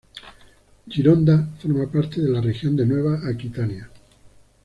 Gironda forma parte de la región de Nueva Aquitania.